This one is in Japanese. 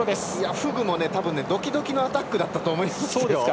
フグもドキドキのアタックだったと思います。